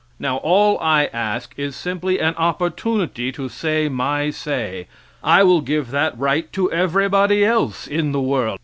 Now, all I ask is simply an opportunity to say my say. I will give that right to everybody else in the world.